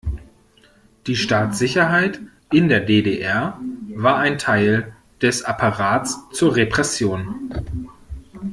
Die Staatssicherheit in der D-D-R war ein Teil des Apparats zur Repression.